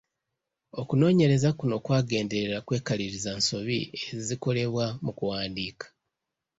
Okunoonyereza kuno kwagenderera kwekaliriza nsobi ezikolebwa mu kuwandiika.